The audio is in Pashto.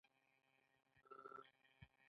متغیره پانګه او ثابته پانګه لګښتونه جوړوي